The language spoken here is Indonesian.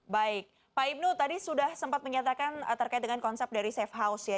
baik pak ibnu tadi sudah sempat menyatakan terkait dengan konsep dari safe house ya